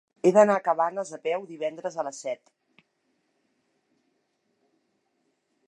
He d'anar a Cabanes a peu divendres a les set.